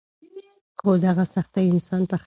خو دغه سختۍ انسان پوخوي.